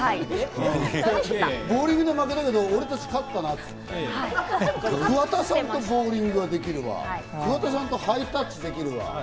ボウリングで負けたけど俺たち勝ったなっつって、桑田さんとボウリングができるわ、桑田さんとハイタッチできるわ。